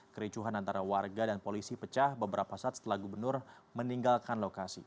kericuhan antara warga dan polisi pecah beberapa saat setelah gubernur meninggalkan lokasi